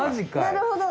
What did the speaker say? なるほど。